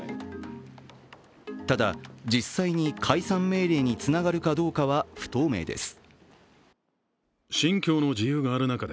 ただ、実際に解散命令につながるかどうかは不透明です。